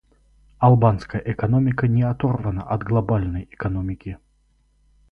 Албанская экономика не оторвана от глобальной экономики.